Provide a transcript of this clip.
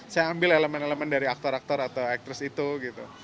saya ambil elemen elemen dari aktor aktor atau aktris itu gitu